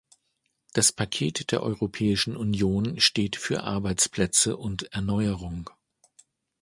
Das Paket der Europäischen Union steht für Arbeitsplätze und Erneuerung.